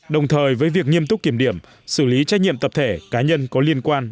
đồng thời với việc nghiêm túc kiểm điểm xử lý trách nhiệm tập thể cá nhân có liên quan